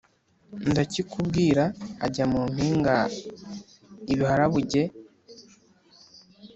ndakikubwira Ajya mu mpinga y ibiharabuge